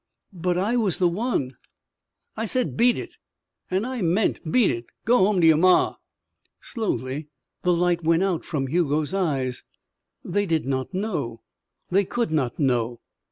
"But I was the one " "I said beat it. And I meant beat it. Go home to your ma." Slowly the light went from Hugo's eyes. They did not know they could not know.